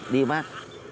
đi với bác